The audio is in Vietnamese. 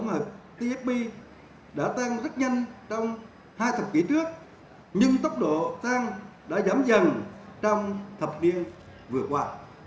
năng suất các y tố tổng hợp đã tăng rất nhanh trong hai mươi kỷ trước nhưng tốc độ tăng đã giảm dần trong thập niên vừa qua